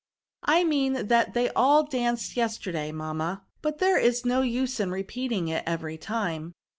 I mean that they all danced yesterday, mam ma ; but there is no use in repeating it every time.